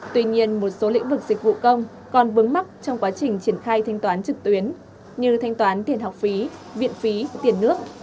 tuy nhiên một số lĩnh vực dịch vụ công còn vướng mắt trong quá trình triển khai thanh toán trực tuyến như thanh toán tiền học phí viện phí tiền nước